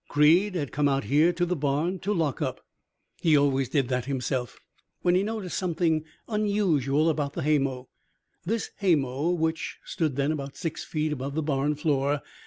Creed had come out here to the barn to lock up he always did that himself when he noticed something unusual about the haymow this haymow which stood then about six feet above the barn floor.